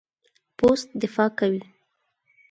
پوست دفاع کوي.